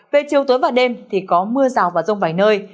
về chiều tối và đêm thì có mưa rào và rông vài nơi